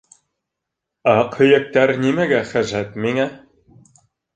— Аҡ һөйәктәр нимәгә хәжәт миңә?